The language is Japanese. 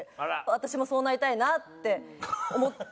私もそうなりたいなって思ったのと。